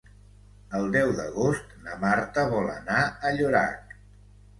El deu d'agost na Marta vol anar a Llorac.